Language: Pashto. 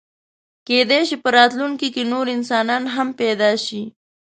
کېدی شي په راتلونکي کې نور انسانان هم پیدا شي.